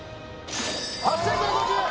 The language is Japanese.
８５５０円